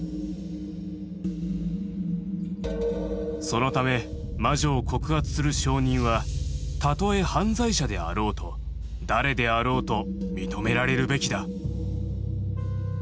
「そのため魔女を告発する証人はたとえ犯罪者であろうと誰であろうと認められるべきだ」。